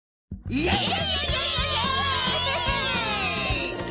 イエイ！